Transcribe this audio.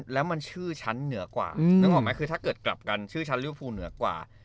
แล้วมันชื่อชั้นเหนือกว่านึกออกไหมคือถ้าเกิดกลับกันชื่อชั้นลิวฟูเหนือกว่า